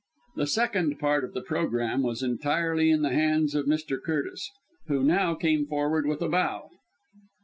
The second part of the programme was entirely in the hands of Mr. Curtis, who now came forward with a bow.